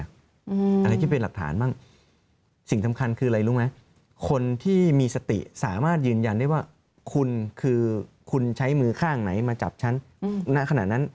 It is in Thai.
อะไรที่เป็นหลักฐานบ้าง